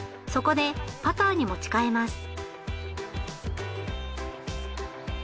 そこでパターに持ち替えます。